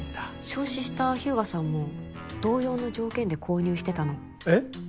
焼死した日向さんも同様の条件で購入してたのえっ？